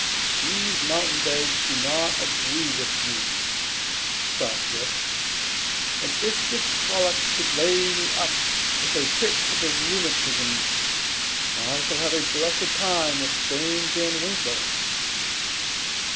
"These mountain beds do not agree with me," thought Rip, "and if this frolic should lay me up with a fit of the rheumatism, I shall have a blessed time with Dame Van Winkle."